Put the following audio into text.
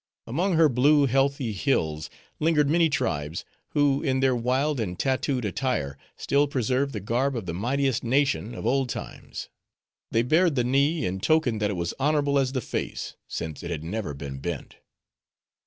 Among her blue, heathy hills, lingered many tribes, who in their wild and tattooed attire, still preserved the garb of the mightiest nation of old times. They bared the knee, in token that it was honorable as the face, since it had never been bent.